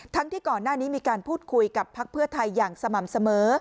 ที่ก่อนหน้านี้มีการพูดคุยกับพักเพื่อไทยอย่างสม่ำเสมอ